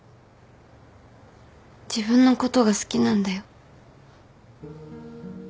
自分のことが好きなんだよ。